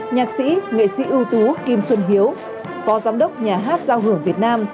nhạc sĩ nghệ sĩ ưu tú kim xuân hiếu phó giám đốc nhà hát giao hưởng việt nam